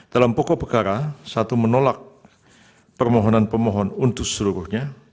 dalam pokok perkara satu menolak permohonan pemohon untuk seluruhnya